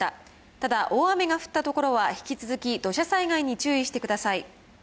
ただ、大雨が降った所は引き続き土砂災害に注意してください。